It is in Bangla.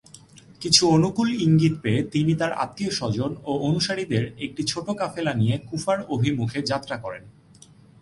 কিছু অনুকূল ইঙ্গিত পেয়ে তিনি তাঁর আত্মীয়স্বজন ও অনুসারীদের একটি ছোট কাফেলা নিয়ে কুফার অভিমুখে যাত্রা করেন।